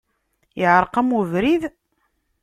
Iεreq-am ubrid?